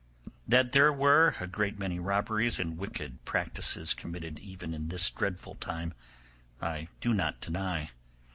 That there were a great many robberies and wicked practices committed even in this dreadful time I do not deny.